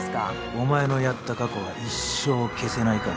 お前のやった過去は一生消せないから。